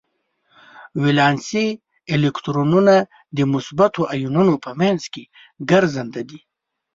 ولانسي الکترونونه د مثبتو ایونونو په منځ کې ګرځننده دي.